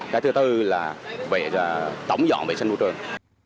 cái thứ tư là về tổng dọn vệ sinh môi trường